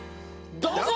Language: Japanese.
どうぞ！